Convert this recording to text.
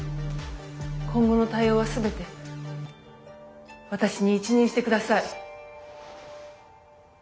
今後の対応は全て私に一任して下さい。